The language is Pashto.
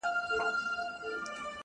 انسان خپل عادتونه بدل کړي، ژوند بدلېږي’